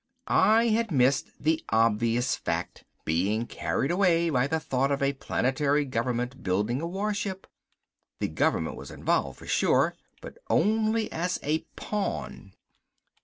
I had missed the obvious fact, being carried away by the thought of a planetary government building a warship. The government was involved for sure but only as a pawn.